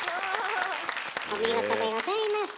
お見事でございました！